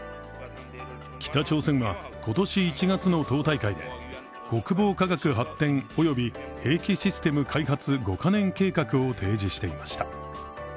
北朝鮮は今年１月の党大会で、国防科学発展及び兵器システム開発５カ年計画を提示していました。